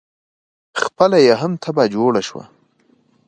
خپله یې هم تبعه جوړه شوه.